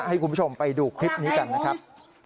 ให้คุณผู้ชมไปดูคลิปนี้กันนะครับ